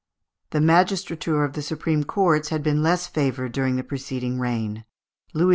The magistrature of the supreme courts had been less favoured during the preceding reign. Louis XI.